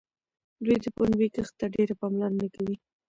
دوی د پنبې کښت ته ډېره پاملرنه کوي.